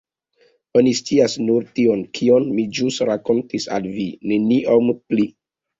Oni scias nur tion, kion mi ĵus rakontis al vi, neniom pli.